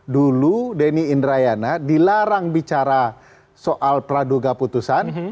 dulu denny indrayana dilarang bicara soal praduga putusan